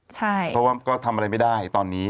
เพราะว่าก็ทำอะไรไม่ได้ตอนนี้